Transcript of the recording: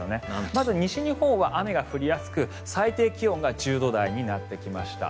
まず西日本は雨が降りやすく最低気温が１０度台になってきました。